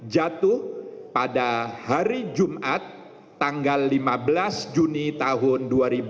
jatuh pada hari jumat tanggal lima belas juni tahun dua ribu dua puluh